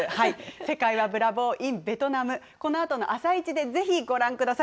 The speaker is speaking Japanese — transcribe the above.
世界はブラボーインベトナム、このあとのあさイチでぜひご覧ください。